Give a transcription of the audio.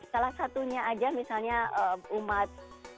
salah satunya aja misalnya umat